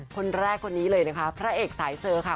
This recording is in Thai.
คนแรกคนนี้เลยนะคะพระเอกสายเซอร์ค่ะ